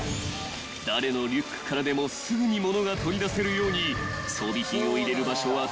［誰のリュックからでもすぐに物が取り出せるように］